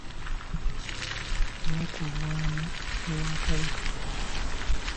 N’okulwanya ewa kabaka.